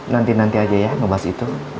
nanti nanti aja ya ngebahas itu